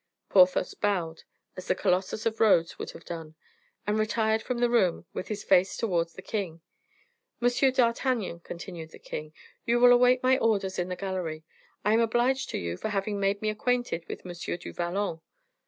Porthos bowed as the Colossus of Rhodes would have done, and retired from the room with his face towards the king. "M. d'Artagnan," continued the king, "you will await my orders in the gallery; I am obliged to you for having made me acquainted with M. du Vallon.